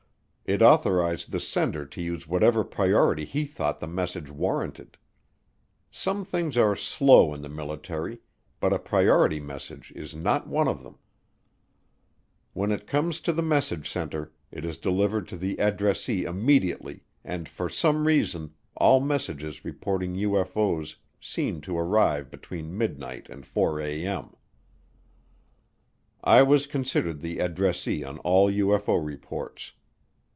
It authorized the sender to use whatever priority he thought the message warranted. Some things are slow in the military, but a priority message is not one of them. When it comes into the message center, it is delivered to the addressee immediately, and for some reason, all messages reporting UFO's seemed to arrive between midnight and 4:00A.M. I was considered the addressee on all UFO reports.